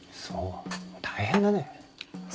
そう大変だね。